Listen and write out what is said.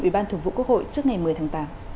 ủy ban thường vụ quốc hội trước ngày một mươi tháng tám